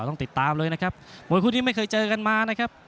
ต้องติดตามเลยนะครับมวยคู่นี้ไม่เคยเจอกันมานะครับ